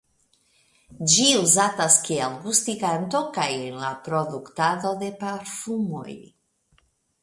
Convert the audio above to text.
Ĝi uzatas kiel gustiganto kaj en la produktado de parfumoj.